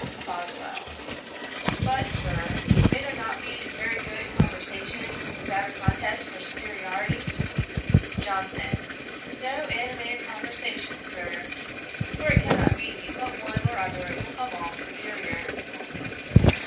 BOSWELL. 'But, Sir, may there not be very good conversation without a contest for superiority?' JOHNSON. 'No animated conversation, Sir, for it cannot be but one or other will come off superiour.